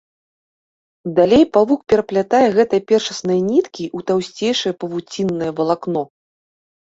Далей павук пераплятае гэтыя першасныя ніткі ў таўсцейшае павуціннае валакно.